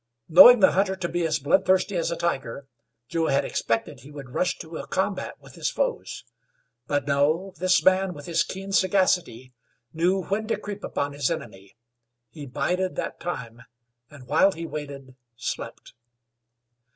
Knowing the hunter to be as bloodthirsty as a tiger, Joe had expected he would rush to a combat with his foes; but, no, this man, with his keen sagacity, knew when to creep upon his enemy; he bided that time, and, while he waited, slept.